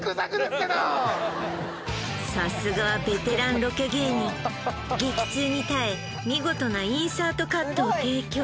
さすがはベテランロケ芸人激痛に耐え見事なインサートカットを提供